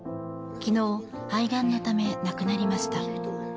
昨日、肺がんのため亡くなりました。